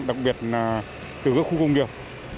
đặc biệt là từ các khu công nghiệp